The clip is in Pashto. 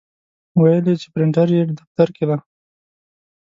ویل یې چې پرنټر یې دفتر کې دی.